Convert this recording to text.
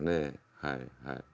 はいはい。